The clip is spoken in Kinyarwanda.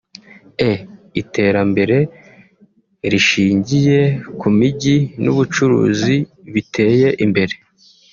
e) Iterambere rishingiye ku mijyi n’ubucuruzi biteye imbere